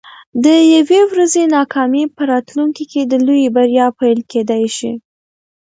د یوې ورځې ناکامي په راتلونکي کې د لویې بریا پیل کیدی شي.